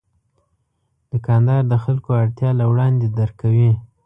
دوکاندار د خلکو اړتیا له وړاندې درک کوي.